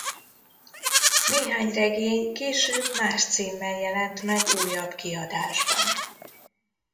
Néhány regény később más címmel jelent meg újabb kiadásban.